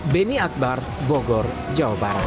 beni akbar bogor jawa barat